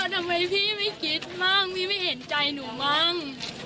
ทำไมพี่ไม่คิดมั่งพี่ไม่เห็นใจหนูมั่ง